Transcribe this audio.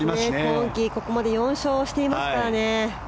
今季ここまで４勝していますからね。